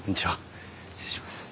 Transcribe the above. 失礼します。